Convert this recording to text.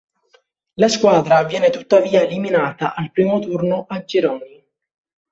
La squadra viene tuttavia eliminata al primo turno a gironi.